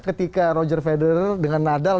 ketika roger feder dengan nadal